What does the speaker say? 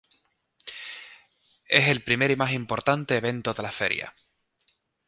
Es el primer y más importante evento de la Feria.